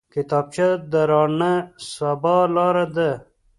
کتابچه د راڼه سبا لاره ده